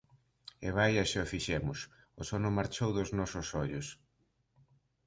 E vaia se o fixemos! O sono marchou dos nosos ollos.